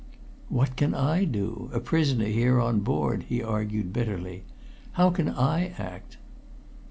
"What can I do a prisoner here on board?" he argued bitterly. "How can I act?"